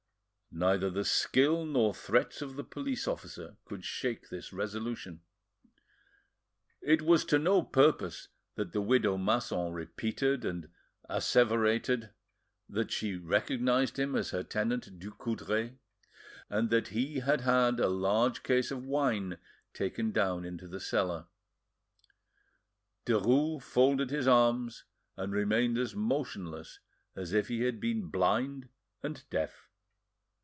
Neither the skill nor threats of the police officer could shake this resolution. It was to no purpose that the widow Masson repeated and asseverated that she recognised him as her tenant Ducoudray, and that he had had a large case of wine taken down into the cellar; Derues folded his arms, and remained as motionless as if he had been blind and deaf.